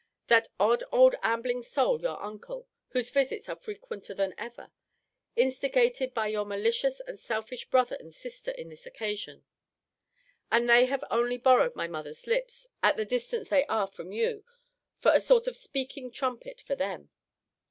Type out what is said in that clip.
That odd old ambling soul your uncle, (whose visits are frequenter than ever,) instigated by your malicious and selfish brother and sister in the occasion. And they have only borrowed my mother's lips, at the distance they are from you, for a sort of speaking trumpet for them.